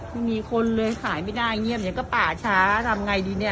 ไม่มีคนเลยขายไม่ได้เงียบเดี๋ยวก็ป่าช้าทำไงดีเนี่ย